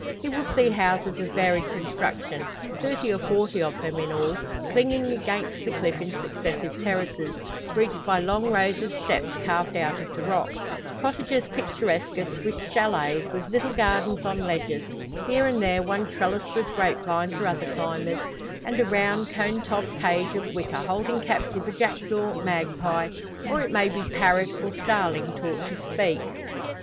He will see houses of varied construction thirty or forty of them in all clinging against the cliff in successive terraces, reached by long rows of steps carved out of the rock; cottages picturesque as Swiss chalets, with little gardens on ledges, here and there one trellised with grape vines or other climbers, and a round cone topped cage of wicker holding captive a jackdaw, magpie, or it may be parrot or starling taught to speak.